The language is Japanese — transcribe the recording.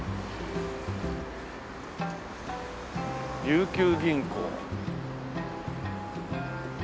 琉球銀行。